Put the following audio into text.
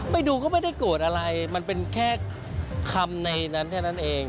ไปดูก็ไม่ได้โกรธอะไรมันเป็นแค่คำในนั้นแค่นั้นเอง